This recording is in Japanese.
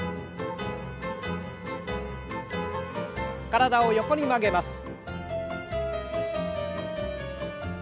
体を横に曲げます。